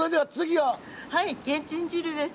はいけんちん汁です。